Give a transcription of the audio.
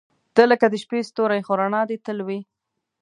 • ته لکه د شپې ستوری، خو رڼا دې تل وي.